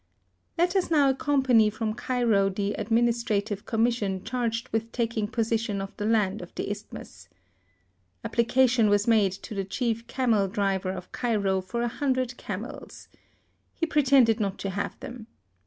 Let us now accompany from Cairo the administrative Commission charged with tak ing possession of the land of the isthmus. THE SUEZ CANAL. 63 Application was made to the chief camel driver of Cairo for a hundred camels. He pretended not to have them.